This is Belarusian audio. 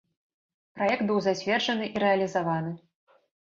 Праект быў зацверджаны і рэалізаваны.